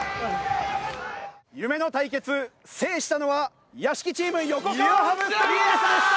夢の対決制したのは屋敷チーム横川ハムストリングスでした！